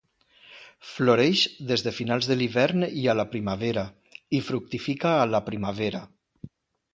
Floreix des de finals de l'hivern i a la primavera i fructifica a la primavera.